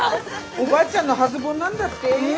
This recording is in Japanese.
おばあちゃんの初盆なんだって？